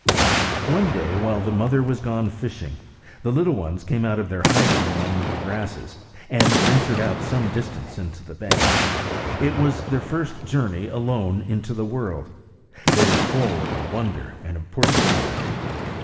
One day, while the mother was gone fishing, the little ones came out of their hiding among the grasses, and ventured out some distance into the bay. It was their first journey alone into the world; they were full of the wonder and importance of it.